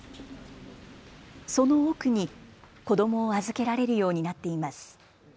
その奥に子どもを預けられるようになっています。